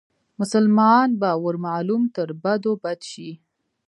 مسلمان به ور معلوم تر بدو بد شي